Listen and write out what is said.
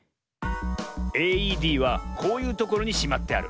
ＡＥＤはこういうところにしまってある。